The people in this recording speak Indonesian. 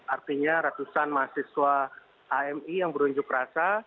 artinya ratusan mahasiswa ami yang berunjuk rasa